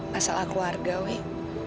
masalah keluarga wih